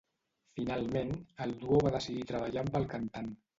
Finalment, el duo va decidir treballar amb el cantant.